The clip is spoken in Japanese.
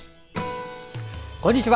こんにちは。